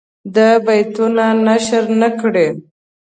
دا بیتونه نشر نه کړي.